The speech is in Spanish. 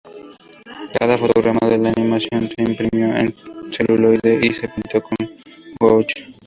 Cada fotograma de la animación se imprimió en celuloide y se pintó con gouache.